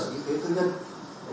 trong một khoảng khép kín